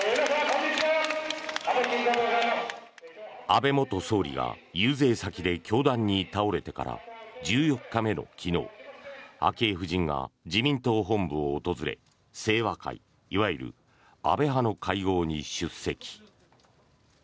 安倍元総理が遊説先で凶弾に倒れてから１４日目の昨日昭恵夫人が自民党本部を訪れ清和会いわゆる安倍派の会合に出席。